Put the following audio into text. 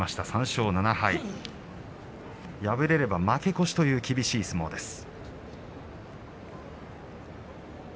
３勝７敗敗れれば負け越しという厳しい相撲です。